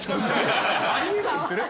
あり得ないですよね